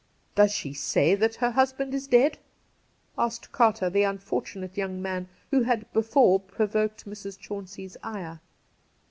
' Does she say that her husband is dead ?' asked Carter, the unfortunate 'young man' who had before provoked Mrs. Chauncey's ire.